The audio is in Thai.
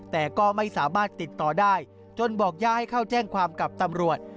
แต่ก็ไม่สามารถติดต่อได้จนบอกย่าให้เข้าแจ้งความกับตำรวจ